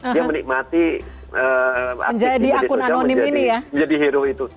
dia menikmati akses di media sosial menjadi hero itu